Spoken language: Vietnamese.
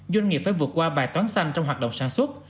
doanh nghiệp phải vượt qua bài toán xanh trong hoạt động sản xuất